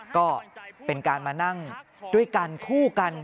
ก็เป็นการมานั่งด้วยกันคู่กัน